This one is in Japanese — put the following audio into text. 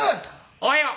「おはよう」。